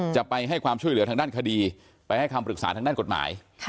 จะไปให้ความช่วยเหลือทางด้านคดีไปให้คำปรึกษาทางด้านกฎหมาย